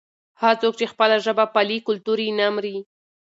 هغه څوک چې خپله ژبه پالي کلتور یې نه مري.